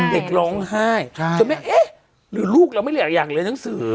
เด็กร้องไห้จนแม่เอ๊ะหรือลูกเราไม่อยากเรียนหนังสือ